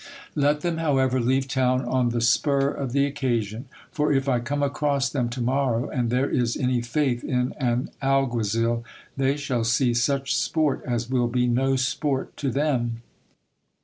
Let them, however, leave town on the spur of the occasion : for if I come across them to morrow, and there is any faith in an alguazil, they shall see such sport as will be no sport to them.